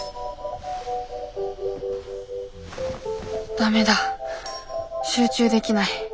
ダメだ集中できない。